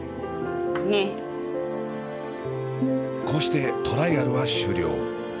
こうしてトライアルは終了。